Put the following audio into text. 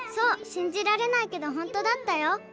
しんじられないけどほんとだったよ。